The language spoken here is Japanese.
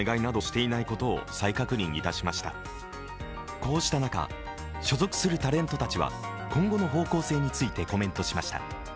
こうした中、所属するタレントたちは今後の方向性についてコメントしました。